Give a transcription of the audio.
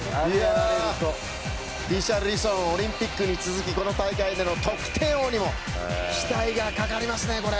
リシャルリソンオリンピックに続きこの大会での得点王にも期待がかかりますね。